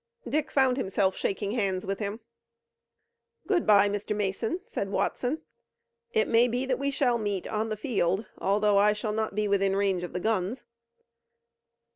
Dick found himself shaking hands with him. "Good bye, Mr. Mason," said Watson. "It may be that we shall meet on the field, although I shall not be within range of the guns."